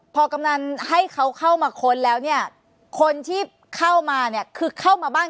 พอกำนันให้เขาเข้ามาค้นแล้วเนี่ยคนที่เข้ามาเนี่ยคือเข้ามาบ้าน